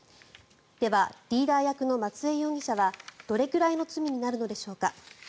では、リーダー役の松江容疑者はどれくらいの罪になるのでしょうか。